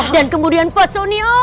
dan kemudian pak sony